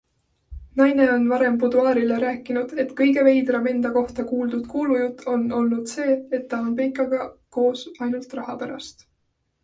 Naine on varem Buduaarile rääkinud, et kõige veidram enda kohta kuuldud kuulujutt on olnud see, et ta on peikaga koos ainult raha pärast.